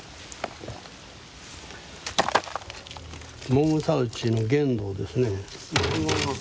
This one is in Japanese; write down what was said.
もぐさ土の原土ですね。